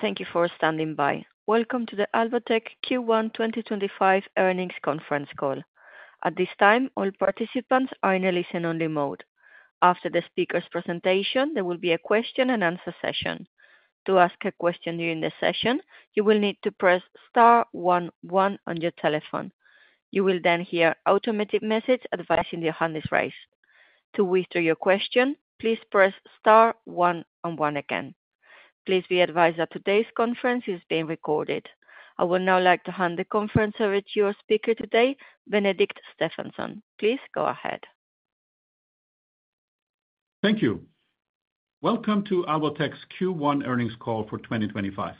Thank you for standing by. Welcome to the Alvotech Q1 2025 Earnings Conference Call. At this time, all participants are in a listen-only mode. After the speaker's presentation, there will be a question-and-answer session. To ask a question during the session, you will need to press *11 on your telephone. You will then hear an automated message advising you to hand this raise. To withdraw your question, please press *11 again. Please be advised that today's conference is being recorded. I would now like to hand the conference over to your speaker today, Benedikt Stefansson. Please go ahead. Thank you. Welcome to Alvotech's Q1 Earnings Call for 2025.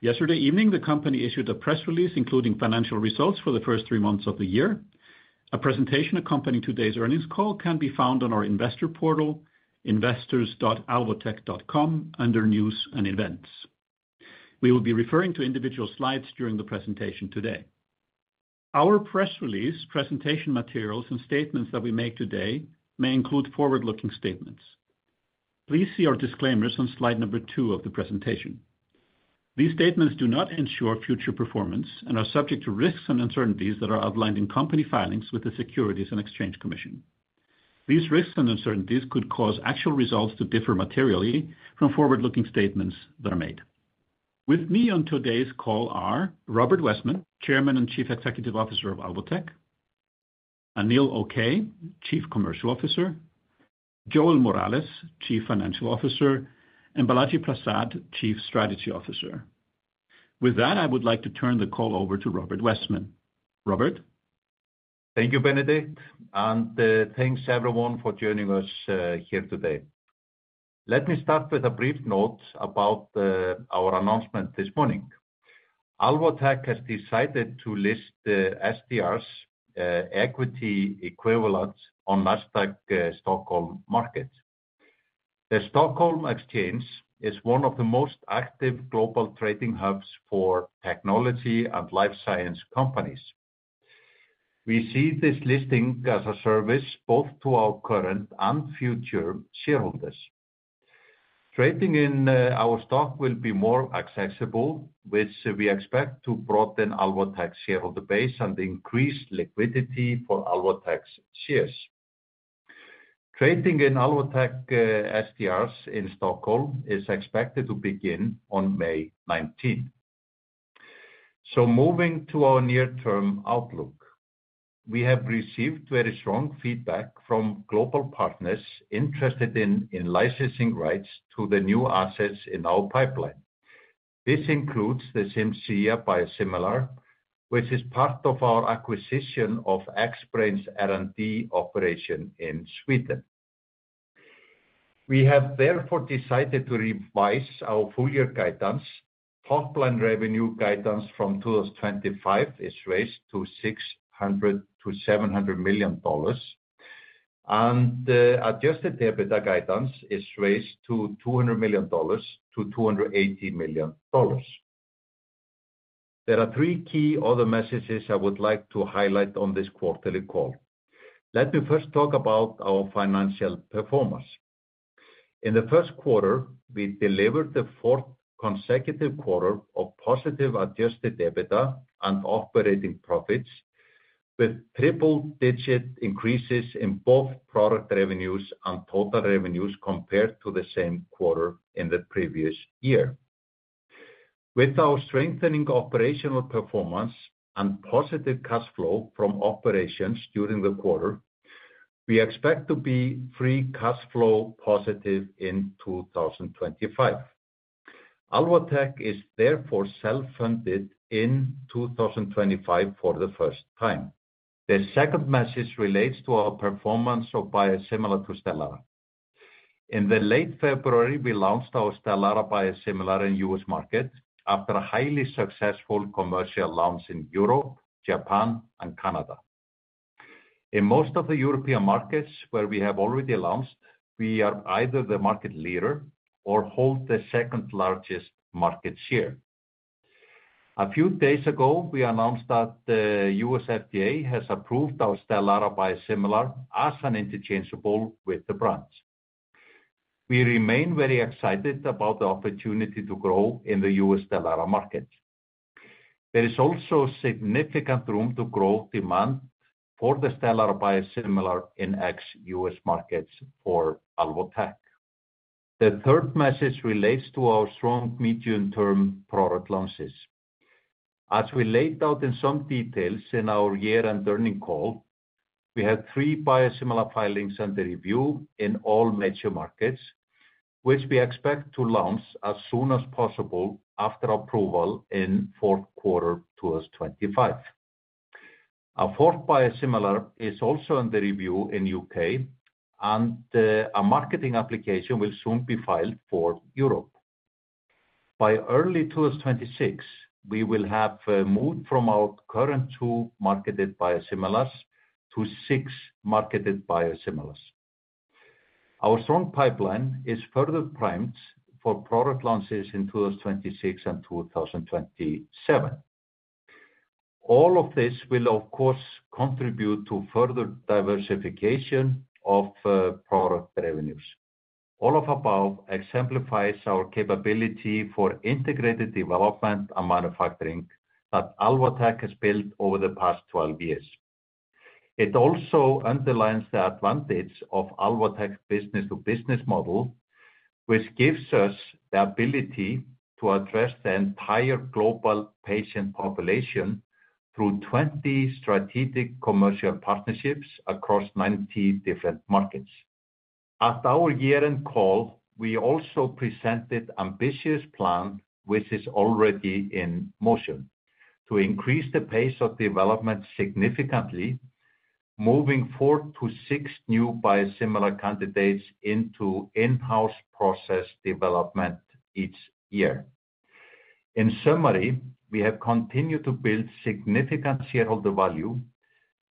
Yesterday evening, the company issued a press release including financial results for the first three months of the year. A presentation accompanying today's earnings call can be found on our investor portal, investors.alvotech.com, under News and Events. We will be referring to individual slides during the presentation today. Our press release, presentation materials, and statements that we make today may include forward-looking statements. Please see our disclaimers on slide number two of the presentation. These statements do not ensure future performance and are subject to risks and uncertainties that are outlined in company filings with the Securities and Exchange Commission. These risks and uncertainties could cause actual results to differ materially from forward-looking statements that are made. With me on today's call are Róbert Wessman, Chairman and Chief Executive Officer of Alvotech, Anil Okay, Chief Commercial Officer, Joel Morales, Chief Financial Officer, and Balaji Prasad, Chief Strategy Officer. With that, I would like to turn the call over to Róbert Wessman. Robert? Thank you, Benedikt, and thanks everyone for joining us here today. Let me start with a brief note about our announcement this morning. Alvotech has decided to list the SDRs equity equivalents on the NASDAQ Stockholm market. The Stockholm Exchange is one of the most active global trading hubs for technology and life science companies. We see this listing as a service both to our current and future shareholders. Trading in our stock will be more accessible, which we expect to broaden Alvotech's shareholder base and increase liquidity for Alvotech's shares. Trading in Alvotech SDRs in Stockholm is expected to begin on May 19. Moving to our near-term outlook, we have received very strong feedback from global partners interested in licensing rights to the new assets in our pipeline. This includes the Cimzia Biosimilar, which is part of our acquisition of Xbrane's R&D operation in Sweden. We have therefore decided to revise our full-year guidance. Pipeline revenue guidance from 2025 is raised to $600 million-$700 million, and adjusted EBITDA guidance is raised to $200 million-$280 million. There are three key other messages I would like to highlight on this quarterly call. Let me first talk about our financial performance. In the first quarter, we delivered the fourth consecutive quarter of positive adjusted EBITDA and operating profits, with triple-digit increases in both product revenues and total revenues compared to the same quarter in the previous year. With our strengthening operational performance and positive cash flow from operations during the quarter, we expect to be free cash flow positive in 2025. Alvotech is therefore self-funded in 2025 for the first time. The second message relates to our performance of biosimilar to STELARA. In late February, we launched our STELARA Biosimilar in the U.S. market after a highly successful commercial launch in Europe, Japan, and Canada. In most of the European markets where we have already launched, we are either the market leader or hold the second-largest market share. A few days ago, we announced that the U.S. FDA has approved our STELARA Biosimilar as an interchangeable with the brand. We remain very excited about the opportunity to grow in the U.S. STELARA market. There is also significant room to grow demand for the STELARA Biosimilar in ex-U.S. markets for Alvotech. The third message relates to our strong medium-term product launches. As we laid out in some detail in our year-end earnings call, we have three biosimilar filings under review in all major markets, which we expect to launch as soon as possible after approval in the fourth quarter of 2025. Our fourth biosimilar is also under review in the U.K., and a marketing application will soon be filed for Europe. By early 2026, we will have moved from our current two marketed biosimilars to six marketed biosimilars. Our strong pipeline is further primed for product launches in 2026 and 2027. All of this will, of course, contribute to further diversification of product revenues. All of the above exemplifies our capability for integrated development and manufacturing that Alvotech has built over the past 12 years. It also underlines the advantage of Alvotech's business-to-business model, which gives us the ability to address the entire global patient population through 20 strategic commercial partnerships across 90 different markets. At our year-end call, we also presented an ambitious plan, which is already in motion, to increase the pace of development significantly, moving forward to six new biosimilar candidates into in-house process development each year. In summary, we have continued to build significant shareholder value,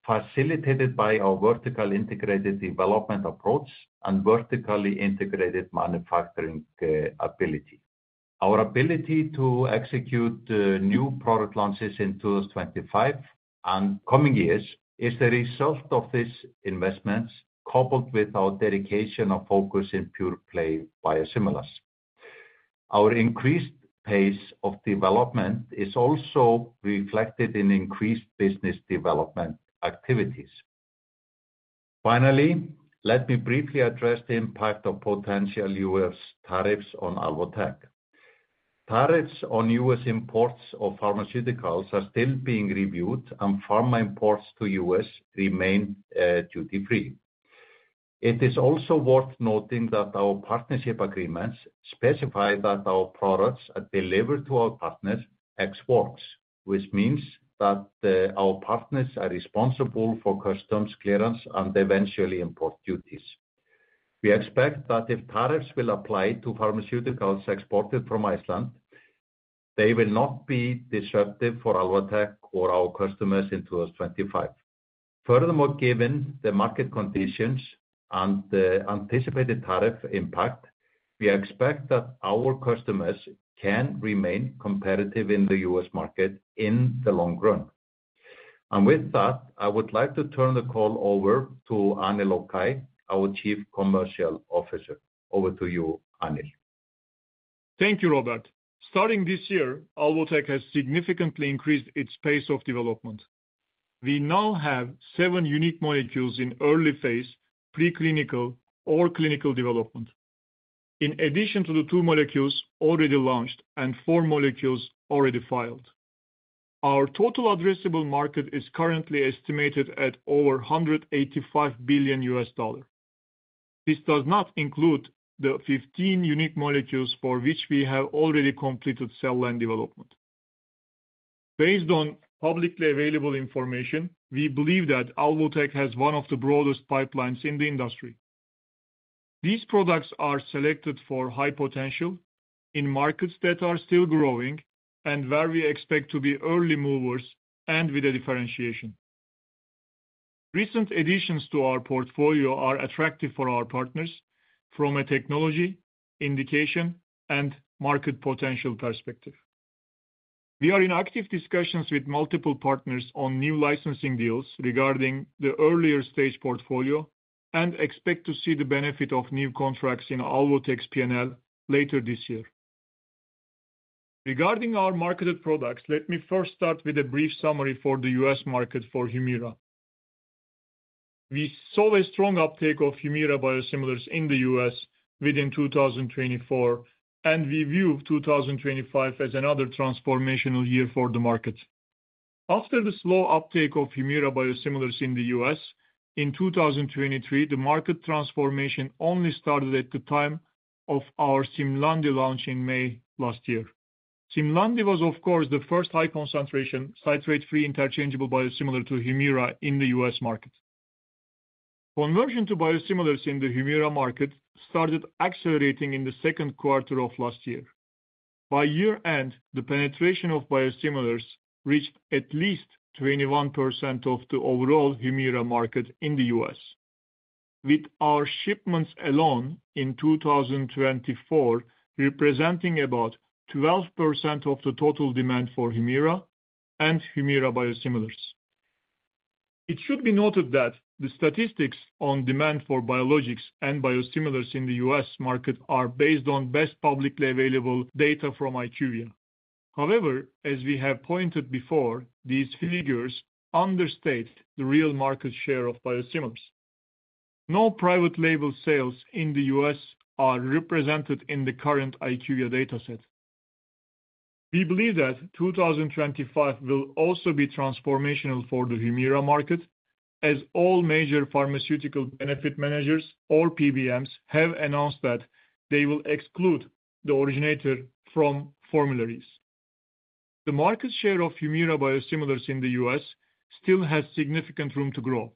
facilitated by our vertically integrated development approach and vertically integrated manufacturing ability. Our ability to execute new product launches in 2025 and coming years is the result of these investments, coupled with our dedication and focus in pure-play biosimilars. Our increased pace of development is also reflected in increased business development activities. Finally, let me briefly address the impact of potential U.S. tariffs on Alvotech. Tariffs on U.S. imports of pharmaceuticals are still being reviewed, and pharma imports to the U.S. remain duty-free. It is also worth noting that our partnership agreements specify that our products are delivered to our partners ex-works, which means that our partners are responsible for customs clearance and eventually import duties. We expect that if tariffs will apply to pharmaceuticals exported from Iceland, they will not be disruptive for Alvotech or our customers in 2025. Furthermore, given the market conditions and the anticipated tariff impact, we expect that our customers can remain competitive in the U.S. market in the long run. With that, I would like to turn the call over to Anil Okay, our Chief Commercial Officer. Over to you, Anil. Thank you, Robert. Starting this year, Alvotech has significantly increased its pace of development. We now have seven unique molecules in early phase, pre-clinical, or clinical development, in addition to the two molecules already launched and four molecules already filed. Our total addressable market is currently estimated at over $185 billion. This does not include the 15 unique molecules for which we have already completed cell line development. Based on publicly available information, we believe that Alvotech has one of the broadest pipelines in the industry. These products are selected for high potential in markets that are still growing and where we expect to be early movers and with a differentiation. Recent additions to our portfolio are attractive for our partners from a technology, indication, and market potential perspective. We are in active discussions with multiple partners on new licensing deals regarding the earlier stage portfolio and expect to see the benefit of new contracts in Alvotech's P&L later this year. Regarding our marketed products, let me first start with a brief summary for the U.S. market for HUMIRA. We saw a strong uptake of HUMIRA Biosimilars in the U.S. within 2024, and we view 2025 as another transformational year for the market. After the slow uptake of HUMIRA Biosimilars in the U.S. in 2023, the market transformation only started at the time of our SIMLANDI launch in May last year. SIMLANDI was, of course, the first high-concentration citrate-free interchangeable biosimilar to HUMIRA in the U.S. market. Conversion to biosimilars in the HUMIRA market started accelerating in the second quarter of last year. By year-end, the penetration of biosimilars reached at least 21% of the overall HUMIRA market in the U.S., with our shipments alone in 2024 representing about 12% of the total demand for HUMIRA and HUMIRA Biosimilars. It should be noted that the statistics on demand for biologics and biosimilars in the U.S. market are based on best publicly available data from IQVIA. However, as we have pointed before, these figures understate the real market share of biosimilars. No private label sales in the U.S. are represented in the current IQVIA dataset. We believe that 2025 will also be transformational for the HUMIRA market, as all major pharmaceutical benefit managers, or PBMs, have announced that they will exclude the originator from formularies. The market share of HUMIRA Biosimilars in the U.S. still has significant room to grow,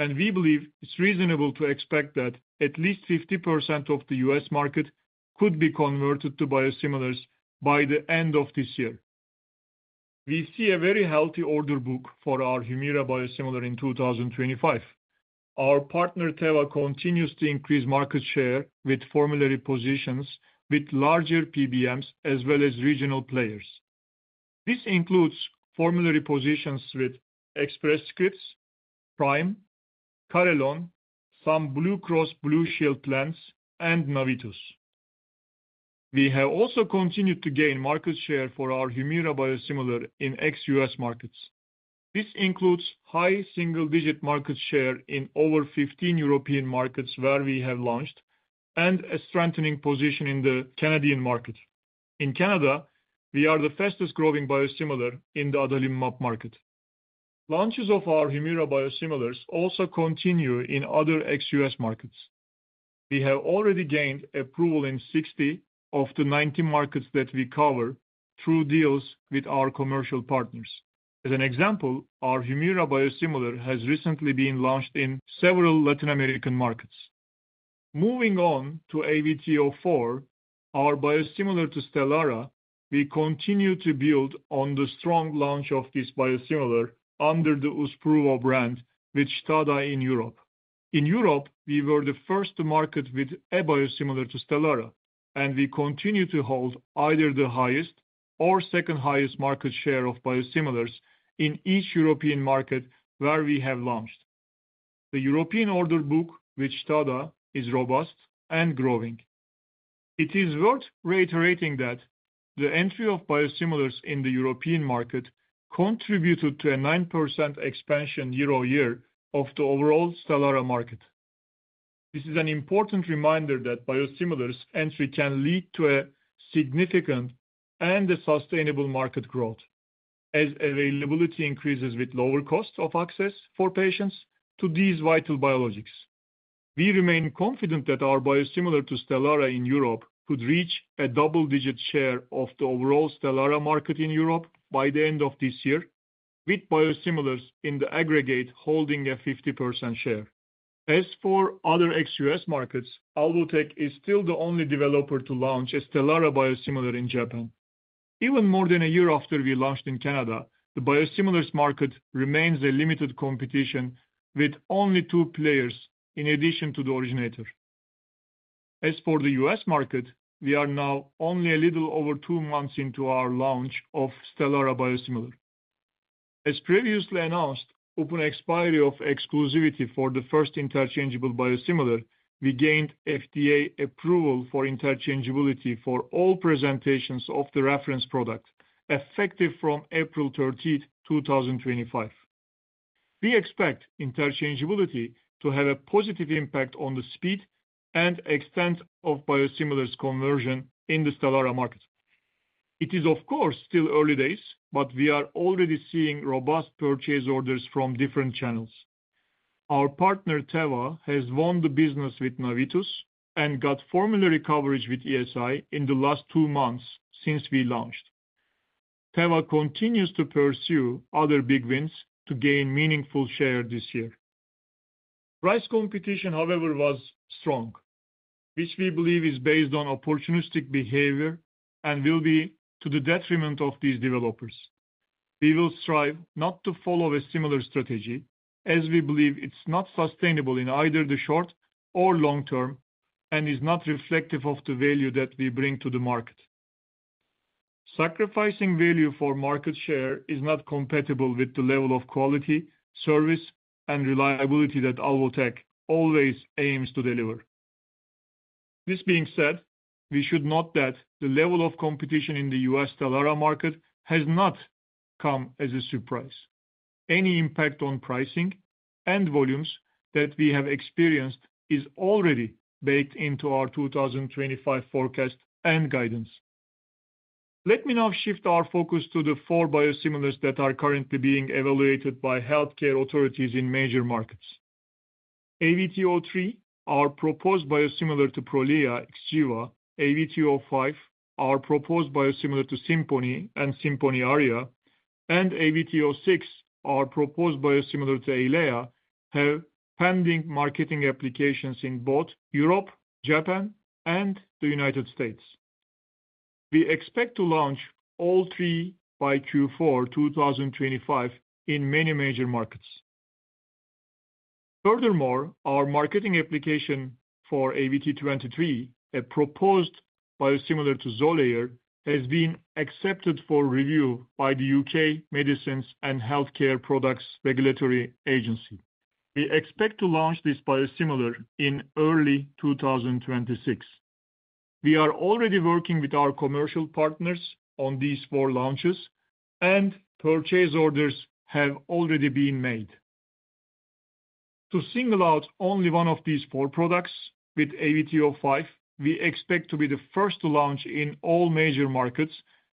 and we believe it's reasonable to expect that at least 50% of the U.S. market could be converted to biosimilars by the end of this year. We see a very healthy order book for our HUMIRA Biosimilar in 2025. Our partner Teva continues to increase market share with formulary positions with larger PBMs as well as regional players. This includes formulary positions with Express Scripts, Prime, Carillon, some Blue Cross Blue Shield plans, and Navitus. We have also continued to gain market share for our HUMIRA Biosimilar in ex-U.S. markets. This includes high single-digit market share in over 15 European markets where we have launched and a strengthening position in the Canadian market. In Canada, we are the fastest-growing biosimilar in the adalimumab market. Launches of our HUMIRA Biosimilars also continue in other ex-U.S. markets. We have already gained approval in 60 of the 90 markets that we cover through deals with our commercial partners. As an example, our HUMIRA Biosimilar has recently been launched in several Latin American markets. Moving on to AVT04, our biosimilar to STELARA, we continue to build on the strong launch of this biosimilar under the Uzpruvo brand with STADA in Europe. In Europe, we were the first to market with a biosimilar to STELARA, and we continue to hold either the highest or second-highest market share of biosimilars in each European market where we have launched. The European order book with STADA is robust and growing. It is worth reiterating that the entry of biosimilars in the European market contributed to a 9% expansion year-on-year of the overall STELARA market. This is an important reminder that biosimilars' entry can lead to a significant and sustainable market growth as availability increases with lower costs of access for patients to these vital biologics. We remain confident that our biosimilar to STELARA in Europe could reach a double-digit share of the overall STELARA market in Europe by the end of this year, with biosimilars in the aggregate holding a 50% share. As for other ex-U.S. markets, Alvotech is still the only developer to launch a STELARA biosimilar in Japan. Even more than a year after we launched in Canada, the biosimilars market remains a limited competition with only two players in addition to the originator. As for the U.S. market, we are now only a little over two months into our launch of STELARA biosimilar. As previously announced, upon expiry of exclusivity for the first interchangeable biosimilar, we gained FDA approval for interchangeability for all presentations of the reference product effective from April 13, 2025. We expect interchangeability to have a positive impact on the speed and extent of biosimilars' conversion in the STELARA market. It is, of course, still early days, but we are already seeing robust purchase orders from different channels. Our partner Teva has won the business with Navitus and got formulary coverage with Express Scripts in the last two months since we launched. Teva continues to pursue other big wins to gain meaningful share this year. Price competition, however, was strong, which we believe is based on opportunistic behavior and will be to the detriment of these developers. We will strive not to follow a similar strategy as we believe it's not sustainable in either the short or long term and is not reflective of the value that we bring to the market. Sacrificing value for market share is not compatible with the level of quality, service, and reliability that Alvotech always aims to deliver. This being said, we should note that the level of competition in the U.S. STELARA market has not come as a surprise. Any impact on pricing and volumes that we have experienced is already baked into our 2025 forecast and guidance. Let me now shift our focus to the four biosimilars that are currently being evaluated by healthcare authorities in major markets. AVT03, our proposed biosimilar to Prolia, Xgeva. AVT05, our proposed biosimilar to SIMPONI and SIMPONI ARIA, and AVT06, our proposed biosimilar to Eylea, have pending marketing applications in both Europe, Japan, and the United States. We expect to launch all three by Q4 2025 in many major markets. Furthermore, our marketing application for AVT23, a proposed biosimilar to XOLAIR, has been accepted for review by the U.K. Medicines and Healthcare Products Regulatory Agency. We expect to launch this biosimilar in early 2026. We are already working with our commercial partners on these four launches, and purchase orders have already been made. To single out only one of these four products with AVT05, we expect to be the first to launch in all major markets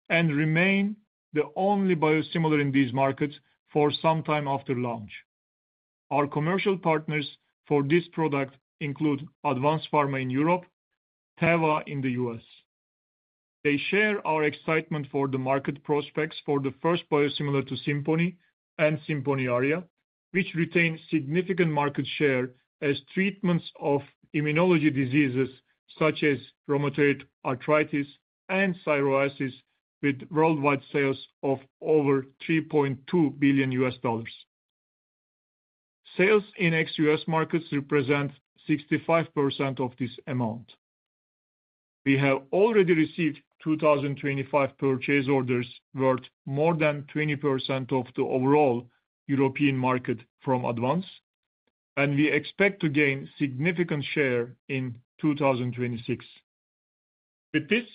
and remain the only biosimilar in these markets for some time after launch. Our commercial partners for this product include Advance Pharma in Europe and Teva in the US. They share our excitement for the market prospects for the first biosimilar to SIMPONI and SIMPONI ARIA, which retain significant market share as treatments of immunology diseases such as rheumatoid arthritis and psoriasis with worldwide sales of over $3.2 billion. Sales in ex-U.S. markets represent 65% of this amount. We have already received 2025 purchase orders worth more than 20% of the overall European market from Advance, and we expect to gain significant share in 2026. With this,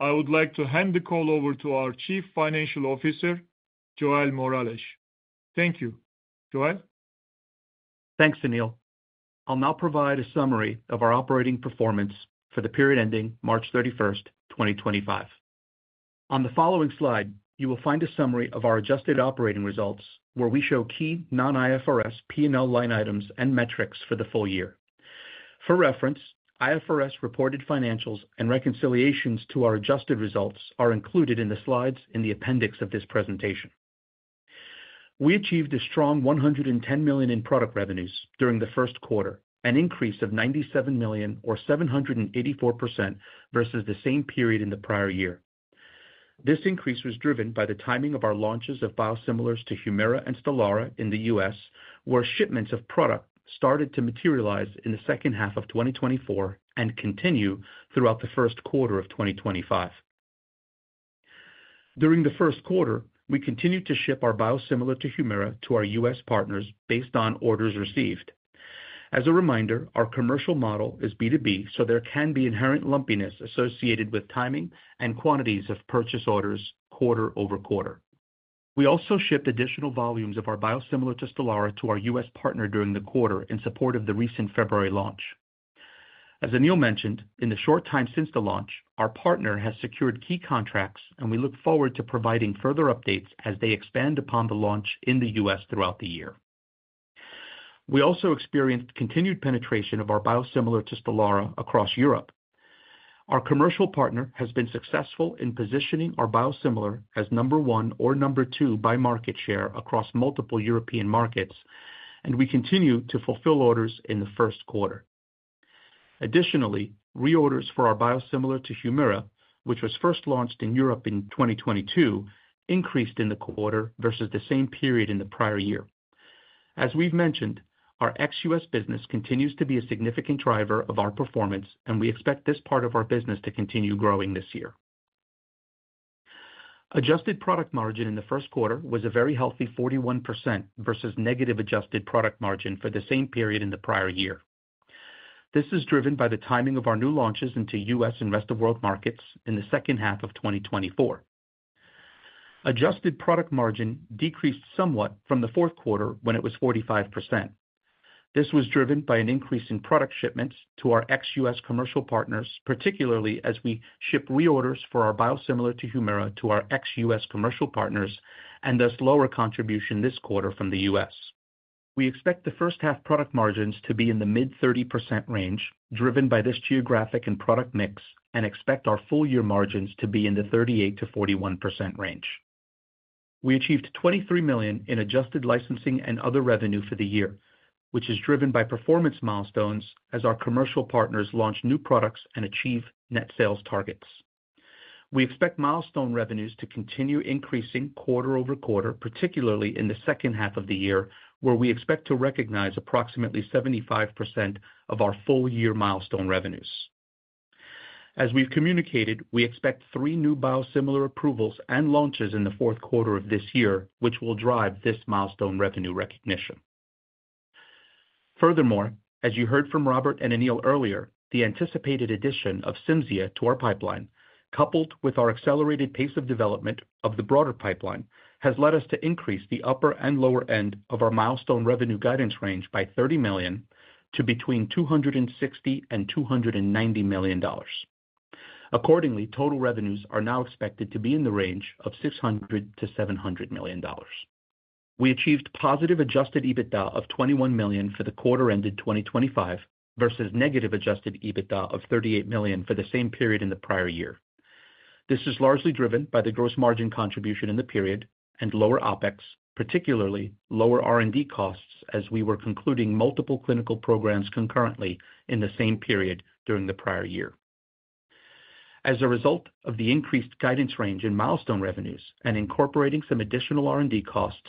I would like to hand the call over to our Chief Financial Officer, Joel Morales. Thank you, Joel. Thanks, Anil. I'll now provide a summary of our operating performance for the period ending March 31, 2025. On the following slide, you will find a summary of our adjusted operating results, where we show key non-IFRS P&L line items and metrics for the full year. For reference, IFRS reported financials and reconciliations to our adjusted results are included in the slides in the appendix of this presentation. We achieved a strong $110 million in product revenues during the first quarter, an increase of $97 million, or 784% versus the same period in the prior year. This increase was driven by the timing of our launches of biosimilars to HUMIRA and STELARA in the U.S., where shipments of product started to materialize in the second half of 2024 and continue throughout the first quarter of 2025. During the first quarter, we continued to ship our biosimilar to HUMIRA to our U.S. partners based on orders received. As a reminder, our commercial model is B2B, so there can be inherent lumpiness associated with timing and quantities of purchase orders quarter over quarter. We also shipped additional volumes of our biosimilar to STELARA to our U.S. partner during the quarter in support of the recent February launch. As Anil mentioned, in the short time since the launch, our partner has secured key contracts, and we look forward to providing further updates as they expand upon the launch in the U.S. throughout the year. We also experienced continued penetration of our biosimilar to STELARA across Europe. Our commercial partner has been successful in positioning our biosimilar as number one or number two by market share across multiple European markets, and we continue to fulfill orders in the first quarter. Additionally, reorders for our biosimilar to HUMIRA, which was first launched in Europe in 2022, increased in the quarter versus the same period in the prior year. As we've mentioned, our ex-U.S. business continues to be a significant driver of our performance, and we expect this part of our business to continue growing this year. Adjusted product margin in the first quarter was a very healthy 41% versus negative adjusted product margin for the same period in the prior year. This is driven by the timing of our new launches into U.S. and rest of world markets in the second half of 2024. Adjusted product margin decreased somewhat from the fourth quarter when it was 45%. This was driven by an increase in product shipments to our ex-U.S. commercial partners, particularly as we ship reorders for our biosimilar to HUMIRA to our ex-U.S. commercial partners, and thus lower contribution this quarter from the U.S. We expect the first half product margins to be in the mid-30% range, driven by this geographic and product mix, and expect our full year margins to be in the 38%-41% range. We achieved $23 million in adjusted licensing and other revenue for the year, which is driven by performance milestones as our commercial partners launch new products and achieve net sales targets. We expect milestone revenues to continue increasing quarter over quarter, particularly in the second half of the year, where we expect to recognize approximately 75% of our full year milestone revenues. As we've communicated, we expect three new biosimilar approvals and launches in the fourth quarter of this year, which will drive this milestone revenue recognition. Furthermore, as you heard from Róbert and Anil earlier, the anticipated addition of Cimzia to our pipeline, coupled with our accelerated pace of development of the broader pipeline, has led us to increase the upper and lower end of our milestone revenue guidance range by $30 million to between $260 million-$290 million. Accordingly, total revenues are now expected to be in the range of $600 million-$700 million. We achieved positive adjusted EBITDA of $21 million for the quarter ended 2025 versus negative adjusted EBITDA of $38 million for the same period in the prior year. This is largely driven by the gross margin contribution in the period and lower OpEx, particularly lower R&D costs as we were concluding multiple clinical programs concurrently in the same period during the prior year. As a result of the increased guidance range in milestone revenues and incorporating some additional R&D costs,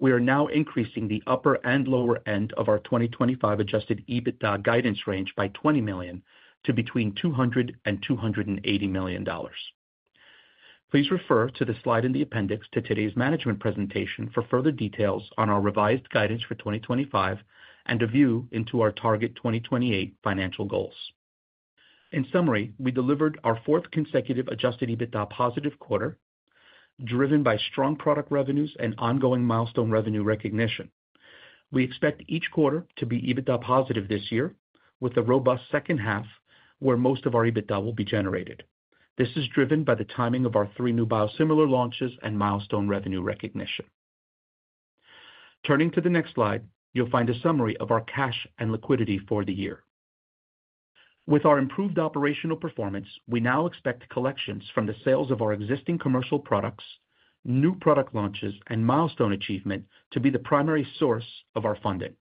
we are now increasing the upper and lower end of our 2025 adjusted EBITDA guidance range by $20 million to between $200 million and $280 million. Please refer to the slide in the appendix to today's management presentation for further details on our revised guidance for 2025 and a view into our target 2028 financial goals. In summary, we delivered our fourth consecutive adjusted EBITDA positive quarter, driven by strong product revenues and ongoing milestone revenue recognition. We expect each quarter to be EBITDA positive this year, with a robust second half where most of our EBITDA will be generated. This is driven by the timing of our three new biosimilar launches and milestone revenue recognition. Turning to the next slide, you'll find a summary of our cash and liquidity for the year. With our improved operational performance, we now expect collections from the sales of our existing commercial products, new product launches, and milestone achievement to be the primary source of our funding.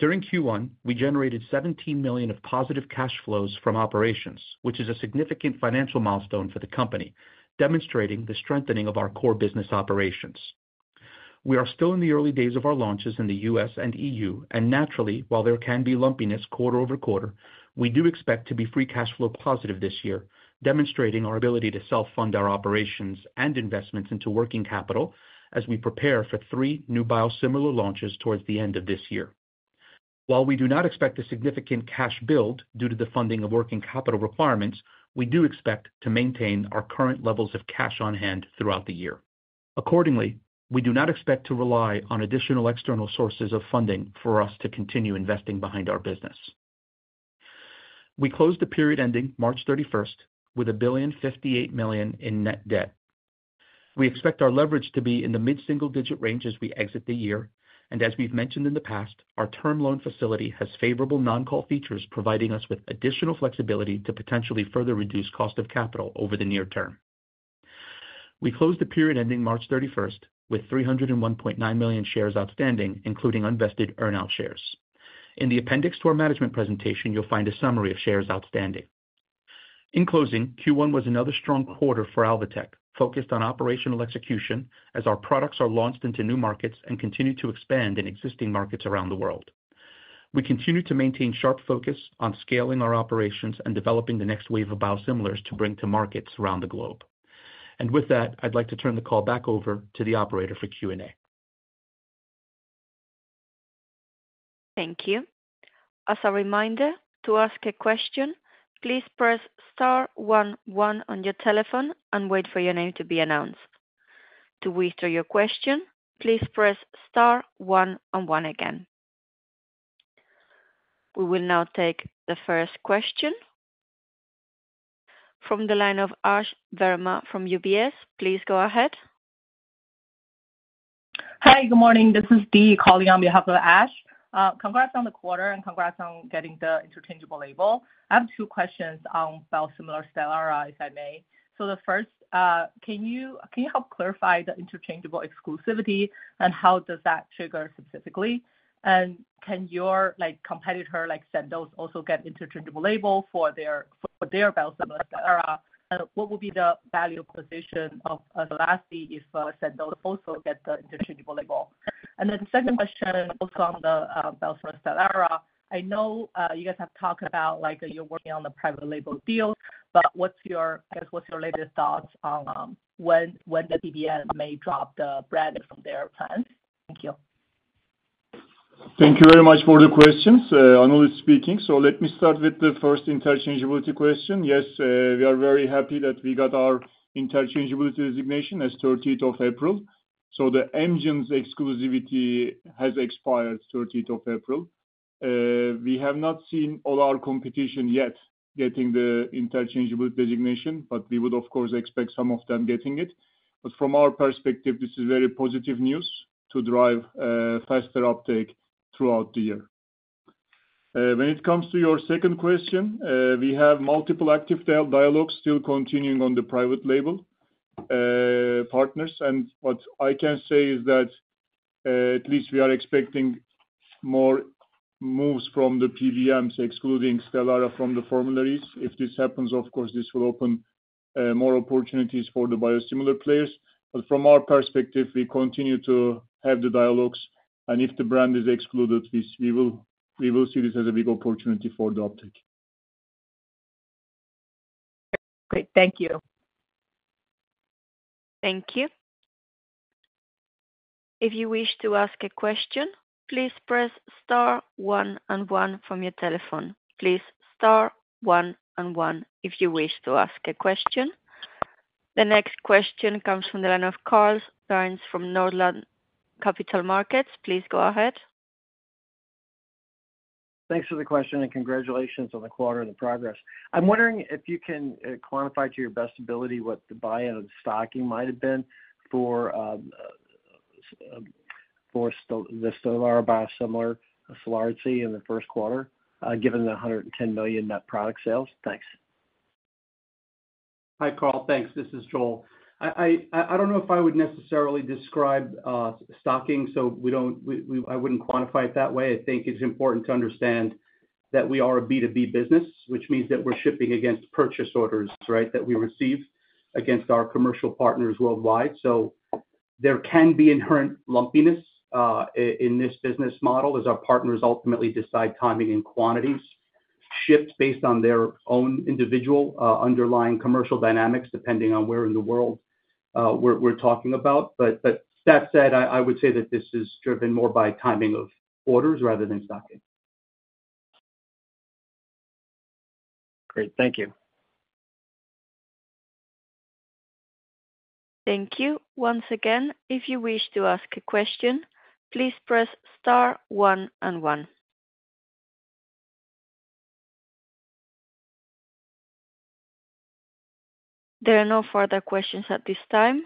During Q1, we generated $17 million of positive cash flows from operations, which is a significant financial milestone for the company, demonstrating the strengthening of our core business operations. We are still in the early days of our launches in the U.S. and EU, and naturally, while there can be lumpiness quarter over quarter, we do expect to be free cash flow positive this year, demonstrating our ability to self-fund our operations and investments into working capital as we prepare for three new biosimilar launches towards the end of this year. While we do not expect a significant cash build due to the funding of working capital requirements, we do expect to maintain our current levels of cash on hand throughout the year. Accordingly, we do not expect to rely on additional external sources of funding for us to continue investing behind our business. We closed the period ending March 31 with $1.058 million in net debt. We expect our leverage to be in the mid-single digit range as we exit the year, and as we've mentioned in the past, our term loan facility has favorable non-call features, providing us with additional flexibility to potentially further reduce cost of capital over the near term. We closed the period ending March 31 with $301.9 million shares outstanding, including unvested earnout shares. In the appendix to our management presentation, you'll find a summary of shares outstanding. In closing, Q1 was another strong quarter for Alvotech, focused on operational execution as our products are launched into new markets and continue to expand in existing markets around the world. We continue to maintain sharp focus on scaling our operations and developing the next wave of biosimilars to bring to markets around the globe. With that, I'd like to turn the call back over to the operator for Q&A. Thank you. As a reminder, to ask a question, please press *11 on your telephone and wait for your name to be announced. To withdraw your question, please press *1 on one again. We will now take the first question from the line of Ash Verma from UBS. Please go ahead. Hi, good morning. This is Dee calling on behalf of Ash. Congrats on the quarter and congrats on getting the interchangeable label. I have two questions on biosimilar STELARA, if I may. The first, can you help clarify the interchangeable exclusivity and how does that trigger specifically? Can your competitor, like Sandoz, also get interchangeable label for their biosimilar STELARA? What would be the value position of SIMLANDI if Sandoz also gets the interchangeable label? The second question, also on the biosimilar STELARA, I know you guys have talked about you're working on the private label deals, but what's your latest thoughts on when the PBM may drop the brand from their plans? Thank you. Thank you very much for the questions. Anil is speaking, so let me start with the first interchangeability question. Yes, we are very happy that we got our interchangeability designation as 30th of April. The Amgen's exclusivity has expired 30th of April. We have not seen all our competition yet getting the interchangeability designation, but we would, of course, expect some of them getting it. From our perspective, this is very positive news to drive faster uptake throughout the year. When it comes to your second question, we have multiple active dialogues still continuing on the private label partners, and what I can say is that at least we are expecting more moves from the PBMs, excluding STELARA from the formularies. If this happens, of course, this will open more opportunities for the biosimilar players. From our perspective, we continue to have the dialogues, and if the brand is excluded, we will see this as a big opportunity for the uptake. Great. Thank you. Thank you. If you wish to ask a question, please press *11 from your telephone. Please *11 if you wish to ask a question. The next question comes from the line of Carl Byrnes from Northland Capital Markets. Please go ahead. Thanks for the question, and congratulations on the quarter and the progress. I'm wondering if you can quantify to your best ability what the buyout of stocking might have been for the STELARA Biosimilar, SIMLANDI, in the first quarter, given the $110 million net product sales. Thanks. Hi, Carl. Thanks. This is Joel. I do not know if I would necessarily describe stocking, so I would not quantify it that way. I think it is important to understand that we are a B2B business, which means that we are shipping against purchase orders, right, that we receive against our commercial partners worldwide. There can be inherent lumpiness in this business model as our partners ultimately decide timing and quantities shift based on their own individual underlying commercial dynamics, depending on where in the world we are talking about. That said, I would say that this is driven more by timing of orders rather than stocking. Great. Thank you. Thank you. Once again, if you wish to ask a question, please press *11. There are no further questions at this time.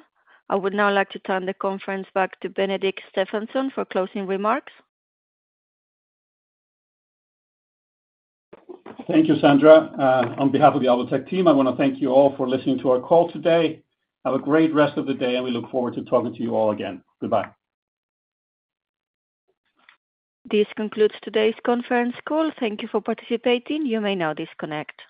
I would now like to turn the conference back to Benedikt Stefansson for closing remarks. Thank you, Sandra. On behalf of the Alvotech team, I want to thank you all for listening to our call today. Have a great rest of the day, and we look forward to talking to you all again. Goodbye. This concludes today's conference call. Thank you for participating. You may now disconnect.